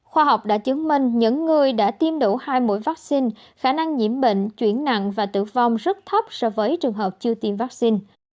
khoa học đã chứng minh những người đã tiêm đủ hai mũi vaccine khả năng nhiễm bệnh chuyển nặng và tử vong rất thấp so với trường hợp chưa tiêm vaccine